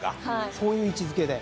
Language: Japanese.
そういう位置付けで。